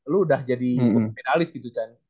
lu udah jadi gold medalist gitu kan